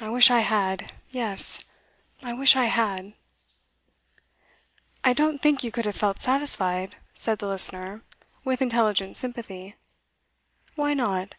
I wish I had, yes, I wish I had.' 'I don't think you could have felt satisfied,' said the listener, with intelligent sympathy. 'Why not?